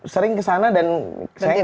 sering kesana dan saya ingin